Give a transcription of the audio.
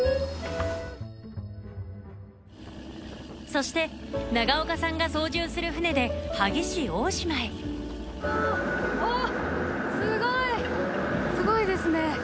そして長岡さんが操縦する船で萩市大島へおっすごい。